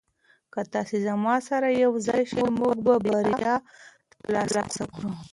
که تاسي زما سره یوځای شئ موږ به بریا ترلاسه کړو.